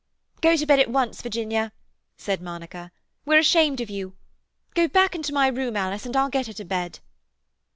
"Go to bed at once, Virginia," said Monica. "We're ashamed of you. Go back into my room, Alice, and I'll get her to bed."